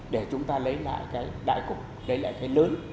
để chúng ta lấy lại cái đại cục lấy lại cái lớn